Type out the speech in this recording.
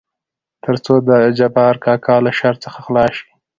تر څو دجبار کاکا له شر څخه خلاص شي.